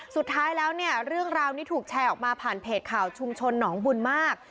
สุดท้ายแล้วเนี่ยเรื่องราวนี้ถูกแชร์ออกมาผ่านเพจข่าวชุมชนหนองบุญมาก